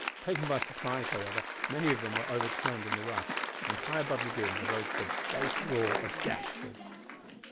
Taken by surprise, however, many of them were overturned in the rush, when high above the din arose the bass roar of Gashford.